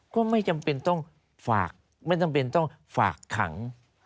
ก็ไม่จำเป็นต้องฝากไม่จำเป็นต้องฝากขัง